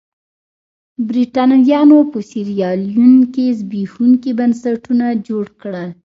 برېټانویانو په سیریلیون کې زبېښونکي بنسټونه جوړ کړل.